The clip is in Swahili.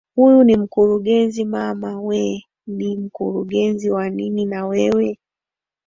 huyu ni mkurugenzi mama wewe ni mkurugenzi wa nini na wewe